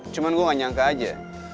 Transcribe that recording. cuma gue gak nyangka aja